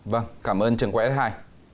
vâng cảm ơn trường quẹt thái